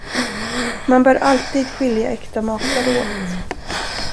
Man bör alltid skilja äkta makar åt.